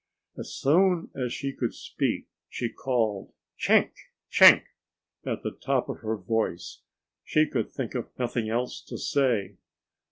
As soon as she could speak she called "Chenk, chenk!" at the top of her voice. She could think of nothing else to say.